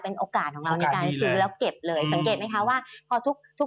พี่หนิงครับส่วนตอนนี้เนี่ยนักลงทุนอยากจะลงทุนแล้วนะครับเพราะว่าระยะสั้นรู้สึกว่าทางสะดวกนะครับ